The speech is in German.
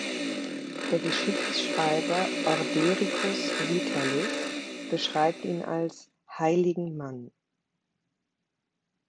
Der Geschichtsschreiber Ordericus Vitalis beschreibt ihn als „heiligen Mann“.